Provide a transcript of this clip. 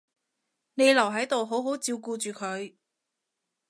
你留喺度好好照顧住佢